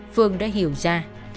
phương đã hiểu ra